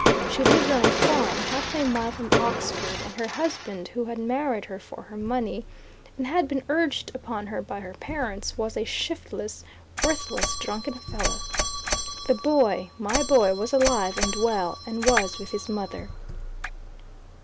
She lived on a farm, half a mile from Oxford, and her husband who had married her for her money, and had been urged upon her by her parents, was a shiftless, worthless, drunken fellow. The boy my boy was alive and well, and was with his mother.